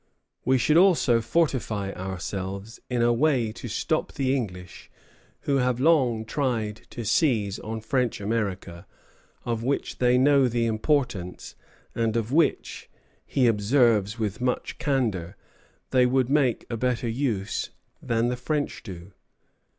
We should also fortify ourselves, "in a way to stop the English, who have long tried to seize on French America, of which they know the importance, and of which," he observes with much candor, "they would make a better use than the French do...